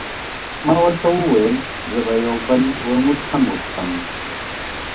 ما ورته وویل، زه به یو بل ورموت هم وڅښم.